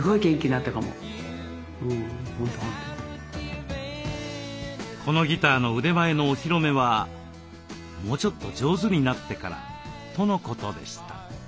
これでこのギターの腕前のお披露目はもうちょっと上手になってからとのことでした。